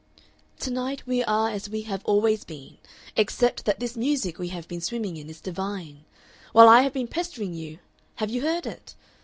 "To night we are as we have always been. Except that this music we have been swimming in is divine. While I have been pestering you, have you heard it?